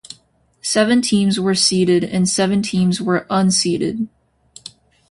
Seven teams were seeded and seven teams were unseeded.